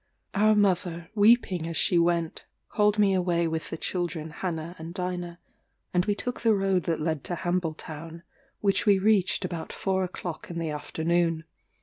Our mother, weeping as she went, called me away with the children Hannah and Dinah, and we took the road that led to Hamble Town, which we reached about four o'clock in the afternoon.